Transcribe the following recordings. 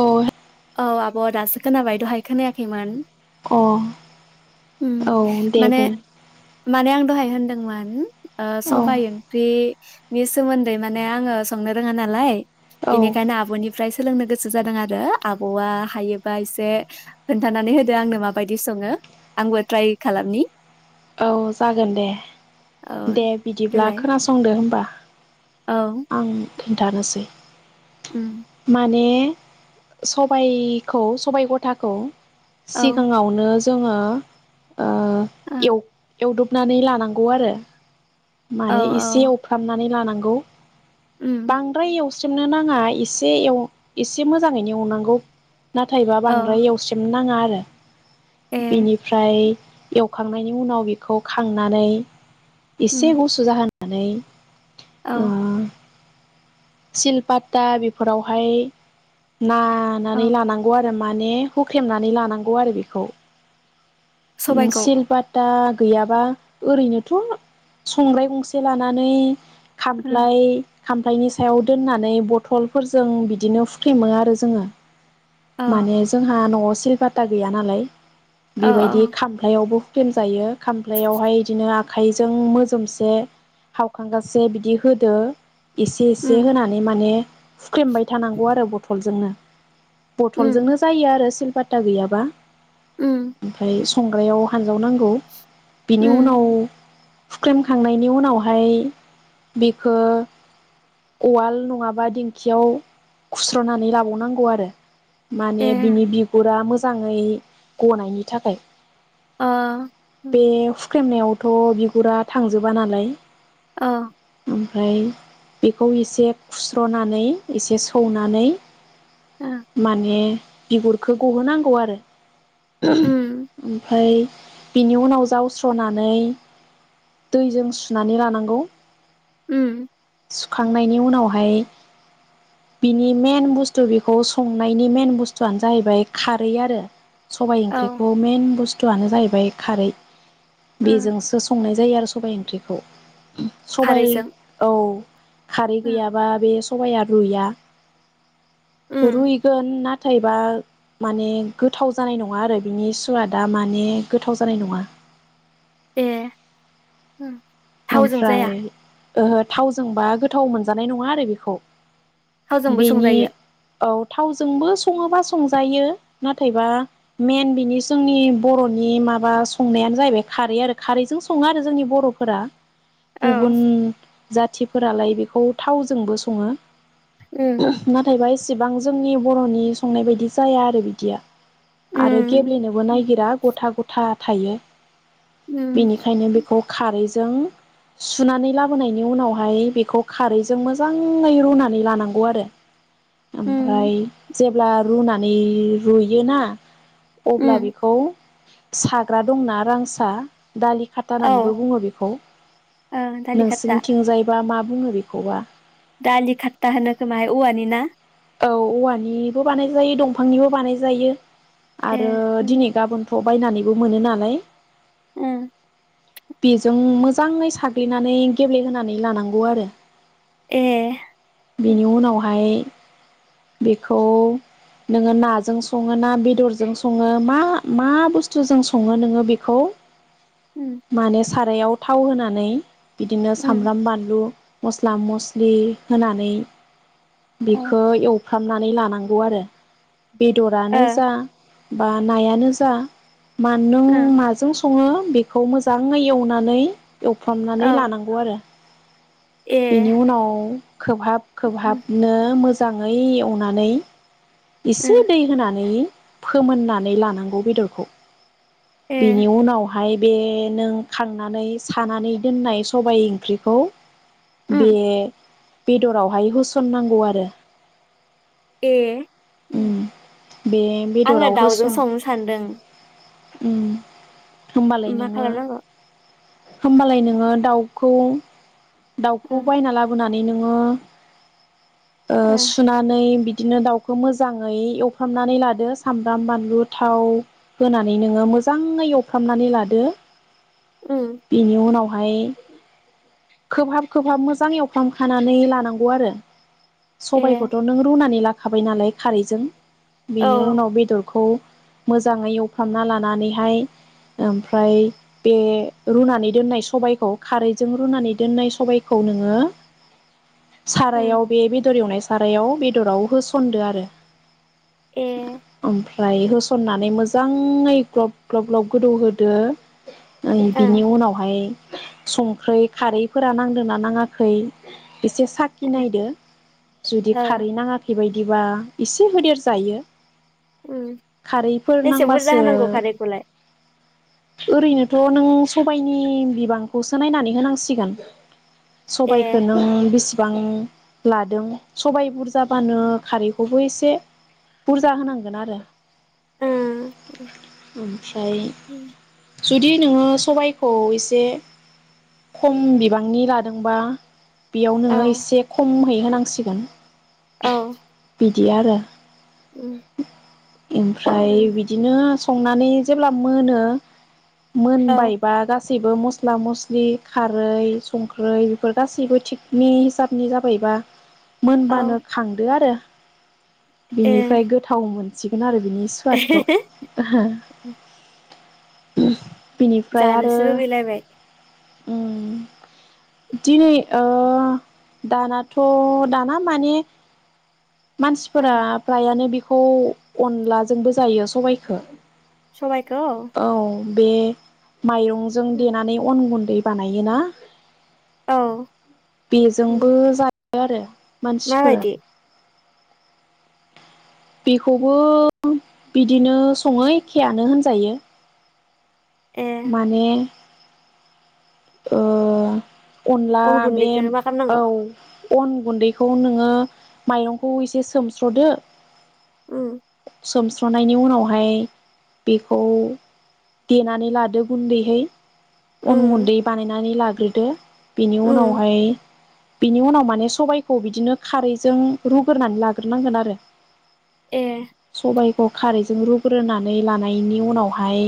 अ हे औ आब' दासो खोनाबाय दहाय खोनायाखैमोन। अ उम औ दे माने बुं माने आं दहाय होनदोंमोन ओ औ सबाय ओंख्रिनि सोमोन्दै माने आङो संनो रोङा नालाय औ बेनिखायनो आब'निफ्राय सोलोंनो गोसो जादों आरो। आब'आ हायोबा एसे खोनथानानै होदो आंनो माबायदि सङो आंबो ट्राइ खालामनि। औ जागोन दे औ दे बिदिब्ला देलाय खोनासंदो होमबा औ। आं खिन्थानोसै। उम माने सबायखौ सबायाइ गथाखौ औ सिगाङावनो जोङो ओ ओ एव एवदबनानै लानांगौ आरो। औ माने एसे औ एवफ्रामनानै लानांगौ। नंगौ। उम बांद्राय एवस सोमनो नाङा एसे एव एसे मोजाङैनो एवनांगौ। नाथायबा औ बांद्राय एवस्रेमनो नाङा आरो। ए बेनिफ्राय एवखांनायनि उनाव बेखौ खांनानै। उम एसे गुसु जाहोन। नानै। औ। सिलपात्ता बेफोरावहाय। औ नानानै लानांगौ आरो। माने हुख्रेमनानै लानांगौ आरो बेखौ। सबायखौ सिलपाता। गैयाबा ओरैनोथ'। संग्राय गंसे लानानै। उम खामफ्लाय खामफालाइनि सायाव दोननानै बथलफोरजों बिदिनो हुखे्मो आरो जोङो। औ माने जोंहा न'आव। सिलपाता गैया नालाय। औ बेबायदि औ खाम्फालायावबो। हुखे्म जायो खामफ्लायावहाय बिदिनो आखाइ जों मोजोमसे हावखांगासे बिदि होदो। एसे एसे उम होनानै माने। हुख्रेमबाय थानांगौ आरो बथलजोंनो। उम बथलजोंनो जायो आरो सिलपा सिलपाटा गैयाबा। ओमफ्राय संग्रायाव हानजाव नांगौ। बेनि उनाव हुख्रेमखांनायनि उनावहाय बेखौ उवाल नङाबा दिंखियाव खुस्रनानै लाबावनांगौ आरो। माने बिनि बिगुरा मो -जाङै गनायनि थाखाय। अ खेमनायावथ फुरा थांजोबा नालाय। औ। ओमफ्राय बेखौ एसे खुस्र नानै एसे सौ माने। बिगुरखौ गहोनांगौ आरो ओमफ्राय बिनि उनाव जावस्र नानै दैजों सुनानै लानांगौ उम सुखांनायनि उनावहाय बिनि मेन बुस्थु बेखौ संनायनि मेन बुस्थुआनो जाहैबाय खारै आरो। सबाइ ओंख्रिखौ मेन बुस्थु- आनो जाहैबाय खारै बेजोंसो सं जायो आरो सबाइ ओंख्रिखौ सबाय खारैजों, औ खारै ओ, गैयाबा बे सबाया रुया रुयगोन ना थायबा माने गोथाव जानाय नङा आरो बिनि सुवादा माने गोथाव जानाय नङा ए उम ओमफ्राय ओ थावजोंबा गोथाव मोनजानाय नङा आरो बेखौ थावजोंबो बेनि संजायो औ थावजोंबो सङोबा संजायो नाथायबा मेन बिनि जोंनि बरनि माबा संनायानो जाहैबाय खारै आरो खारैजों सङो आरो जोंनि बरफोरा औ, गुबुन जाथिफोरालाय बेखौ थावजोंबो सङो। उ, नाथायबा एसेबां जोंनि बरनि संनाय बायदि जाया आरो बिदिया उ, आरो गेब्लेनोबो उ, ननायागिरा गथा गथ था-थायो। बेनिखायनो बेखौ खारै जो जों सुनानै लाबोनायनि उनावहाय बेखौ खारैजों मोजाङै रुनानै लानांगौ आरो उ, ओमफ्राय जेब्ला रुनानै रुयोना अब्ला उ, बेखौ साग्रा दंना रांसा दालि खाता औ, होननानैबो बुङो बेखौ। ओ, दालि खाट्टा नोंसिनिथिंजाय बा मा बुङो बेखौबा? दालि खातथा होनो खोमाहाय औवानि ना? औ औवानिबो बानाय जायो दंफांनिबो बानाय जायो। ए, आरो उम, दिनै गाबोन थ' बायनानैबो मोनो नालाय। ओम। बेजों मोजाङै साग्लिनानै गेब्लेहोनानै लानांगौ आरो। ए, बेनि उनावहाय बेखौ नोङो नाजों सङो ना बेदरजों सङो मा मा बुस्थुजों सङो नोङो बेखौ उम, मानेस सारायाव थाव होनानै बिदिनो उम, सामब्राम बानलु मस्ला मस्लि होनानै अ, खो एव फ्रामनानै लानांगौ आरो। ओ, बेदरानो जा बा नायानो जा मानो ओ, माजों सङो बेखौ मोजाङै एवनानै एवफ्रामनानै औ, लानांगौ आरो। ए, बेनि उनाव खोबहाब उम, खोबहाबनो मो मोजाङै एवनानै इसे उम, दै होनानै फोमोननानै लानांगौ बेदरखौ। ए, बेनि उनाव ओमफाय बे नों खांनानै सानानै दोननाय सबाइ ओंख्रिखौ उम। बे बेदरावहाय होसननांगौ आरो। ए। उम बे आंङो बेदराव दाउजों होसन संनो सानदों। उम। होमबालाय मा नोङो। खालामनांगौ होमबालाय नोङो दाउखौ। दाउखौ ओं बायना लाबोनानै। नोंङो। ओ सुनानै बिदि। बिदिनो दावखौ। खौ मोजाङै एवफ्रामनानै लादो सामब्राम बानलु थाव होनानै नोङो मोजाङै एवफ्रामनानै लादो। उम बेनि उनाव। बेवहाय खोबहाब खोबहाब मोजां एवफ्राम खानानै लानांगौ आरो। ए सबायखौथ नों रुनानै लाखा। लाखाबाय नालाय खारैजों। बेनि औ उनाव बेदरखौ। मोजाङै एवफ्रामना लानानैहाय ओमफ्राय बे रुनानै दोननाय सबायखौ खारैजों रुनानै दोननाय सबायखौ नोंङो। सारायाव उम बे बेदर एवनायाव। सारायाव बेदराव होसनना। फुनदो आरो। ए औ। ओमफ्राय होसननानै मोजाङै ग्लब ग्लब ग्लब गोदौहोदो। बिनि ओं उनावहाय। संख्रि खारैफोरा नांदोंना नाङाखै। एसे साखि ओ नायदो जुदि औ खारै नाङाखै बायदि। बिदिबा एसे होदेर जायो। उम खारैफोर बेसे बुरजा नांबासो होनांगौ खारैखौलाय। ओरैनोथ नों सबायनि बिबांखौसो नायनानै होनांसिगोन। ए सबाइखौ नों बेसे। गोबां लादों सबाय बुरजाबानो। खारैखौबो एसे बुरजा होनांगोन आरो। ओं ओमफ्राय। जुदि नोङो सबायखौ एसे खम बिबांनि लादोंबा। बेयाव नोङो औ एसे खम है। होनांसिगोन औ बिदि आरो उम ओमफ्राय उम बिदिनो संनानै जेब्ला मोनो औ मोनबाय बा गा गासैबो मस्ला मस्लि खारै संख्रै बेफोर गासैबो थिगनि हिसाबनि जाबायबा औ मोनबानो खांदो आरो ए बिनिफ्राय गोथावमोन सिगोन आरो। बिनि सोवादखौ बिनि फ्राय आरो जानोसो लुगैलायबाय ओम दिनै ओ दानाथ' दाना माने मानसि फोरा ओं फ्रायानो बे खौ अनला जोंबो जायो सबायखौ। सबायखौ? औ बे माइरंजों देनानै अन गुन दै बानायोना औ बेजोंबो उम जा जायो आरो। मानसि फोरा। माबायदि बेखौबो बिदिनो सङो एखेयानो होनजायो। ए माने ओ अनला अन बे, गुन्दैखौ मा औ। खालामनांगौ अन गुन्दैखौ नोङो माइरंखौ एसे सोमस्र'दो ओम। सोमस्र'नायनि उनाव हाय बेखौ देनानै लादो गुन्दैहै। अन उम गुन्दै बानायनानै ला देग्रोदो। बेनि उम उनावहाय बिनि उनाव माने सबायखौ बिदिनो खारैजों रुगोरनानै लाग्रो नांगोन आरो। ए। सयखौ खारैजों रुग्रोनानै लानायनि उनाव हाय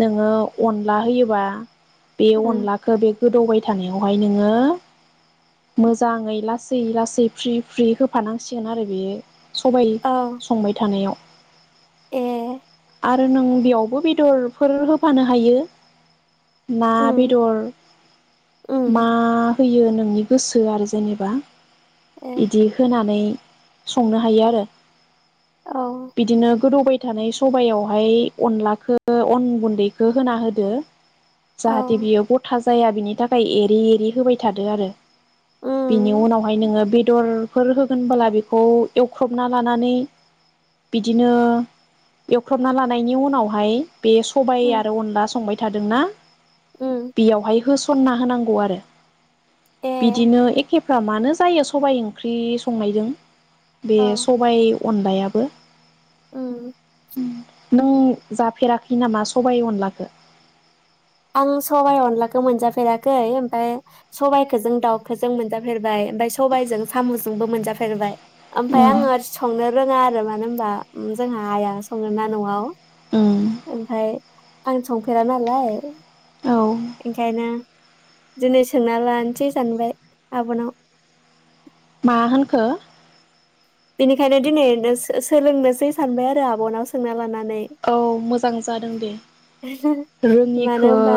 नोङो अनला होयोबा बे उम अनलाखौ बे गोदौबाय थानायाव हाय नोङो मोजाङै लासै लासै फ्रि फ्रि होफा नांसिगोन आरो बे सबाइ औ संबाय थानायाव। ए। आरो नों बेयावबो बेदर फोर होफानो हायो। ना उम बेदर उम मा होयो नोंनि गोसो आरो जेनेबा। ए बिदि होनानै संनो हायो आरो। औ बिदिनो गोदौबाय थानाय सबयावहाय अनलाखौ अन गुन्दैखौ होना होदो औ जाहाथे बियो गथा जाया बिनि थाखाय एरै एरै होबाय थादो आरो बेनि उम उनावहाय नोङो बेदरफोर होगोनबोला बेखौ एवख्रबना लानानै बिदिनो एवख्रबना लानायनि उनावहाय बे सबाय उम आरो अनला संबाय थादोंना उम बेयावहाय होस सनना होनांगौ आरो ए बिदिनो एखे फ्रा मानो जायो सबाइ ओंख्रि संनायजों बे औ सबाय अनलाया बो उम उम नों जाफेराखै हि नामा सबाय अनलाखो आं सबाय अनलाखौ मोनजाफेराखै ओमफाय सबायखोजों दाउखोजों मोनजाफेरबाय ओमफाय सबायजों साम'जोंबो मोनजाफेरबाय ओमफाय उम आङो संनो रोङा आरो मा मानो होमबा ओ जोंहा आइआ सङो ना न'आव उम ओमफाय आं संफेरा नालाय औ ओंखायनो दिनै सोंना लानोसै सानबाय आब'नाव मा होनखो बिनिखायनो दिनै सोलोंनोसै सानबाय आरो आब'नाव सोंना लानानै औ मोजां जादों दे मानो रोङिखो‌ होनबा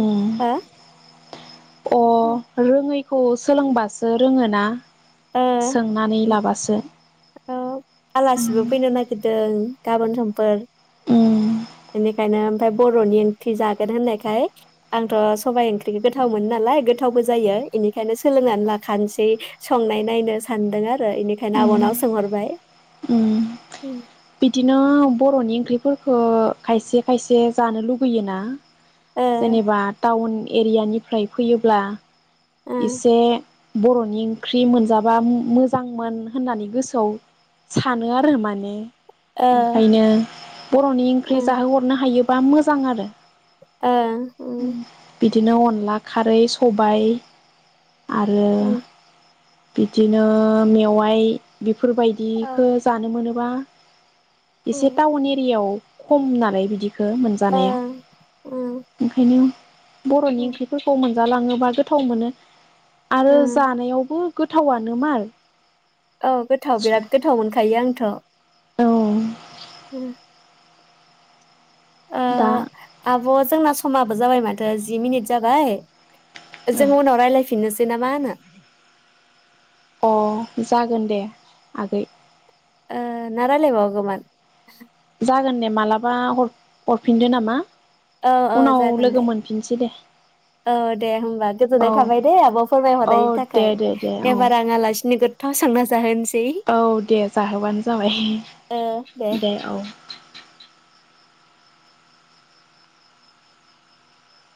उम [unintelligible] अ रोङै खौ सोलोंबासो रोङोना? ओ‌ सोंनानै उ लाबासो ओब उम आलासिबो फैनो नागिर दों गाबोन समफोर उम बेनिखायनो ओमफाय बर'नि ओंख्रि जागोन होननायखाय आंथ' सबाय ओंख्रिखौ गोथाव मोनो नालाय गोथावबो जायो इनिखायनो सोलोंनानै लाखानोसै। संनाय नायनो सानदों आरो इनिखायनो आब'नाव सोंहरबाय उम उम बिदिनो बर'नि ओंख्रिफोरखो खायसे खायसे जानो लुुबैयोना? ओ जेनेबा टाउन एरियानिफ्राय फैयोब्ला ओ इसे बर'नि ओंख्रि मोनजाबा मो मोजांमोन होननानै गोसोआव सानो आरो माने ओंखायनो बर'नि ओंख्रि ओ जाहोहरनो हायोब बा मोजां आरो ओ उम बिदिनो अनला खारै सबाय आरो ओ बिदिनो मेवाइ बिब औ फोरबायदिखो जानो मोनोब बा एसे टाउन एरियाव खमनानै बिदि खो ओ मोनजानाया ओ ओंखायनो बर'नि उम, ओंख्रिफोरखौ मोन जालाङोबा गोथाव मोनो। आरो उम। जानायावबो गोथावानो माल औ गोथाव बिराद गोथाव मोनखायो आं। थ' औ ओ ओ दा आब' जोंना समाब ओ जाबाय माथो जि मिनिट जाबाय। औ जों उनाव रायलायफिननोस बे नामा होनो अ जागोन दे आगै ओ ना रायलाय बावगौमोन? जागोन दे मालाबा हरफिनदो नामा औ औ उनाव जागोन लोगो दे मोनफिनसै दे औ दे होमबा औ गोजोननाय थाबाय दे आब' औ फोरमायहरनायनि दे थाखाय दे दे औ एबार आं आलासिनो गोथाव संना जाहोनसै औ दे जाहोबानो जाबाय दे औ